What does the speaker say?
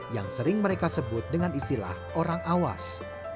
yang sering mereka sebut dengan istilah orang awas